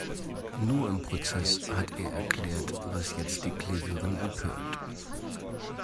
Nur im Prozess hat er erklärt, was jetzt die Klägerin empört.